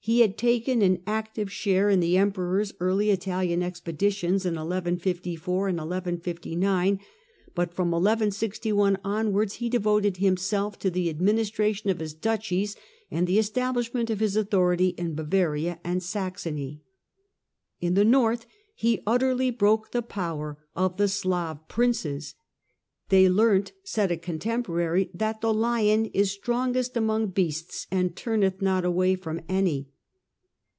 He had taken an active share in the Emperor's early Italian expeditions in 1154 and 1159, but from 1161 onwards he devoted himself to the administration of his duchies and the establishment of his authority in Bavaria and Saxony. In the north he utterly broke the power of the Slav princes. They learnt, said a contemporary, that "the * lion ' is strongest among beasts and turneth not away from any."